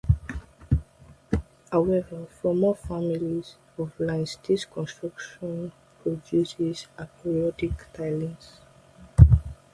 However, for more families of lines this construction produces aperiodic tilings.